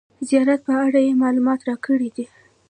زیارت په اړه یې معلومات راکړي دي.